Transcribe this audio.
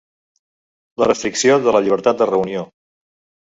La restricció de la llibertat de reunió.